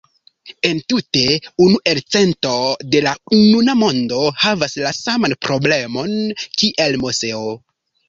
Entute, unu elcento de la nuna mondo havas la saman problemon kiel Moseo.